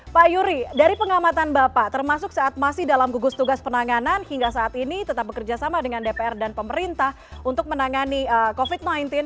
pak yuri dari pengamatan bapak termasuk saat masih dalam gugus tugas penanganan hingga saat ini tetap bekerja sama dengan dpr dan pemerintah untuk menangani covid sembilan belas